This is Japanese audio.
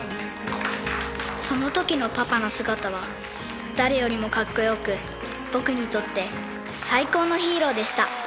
［そのときのパパの姿は誰よりもカッコ良く僕にとって最高のヒーローでした］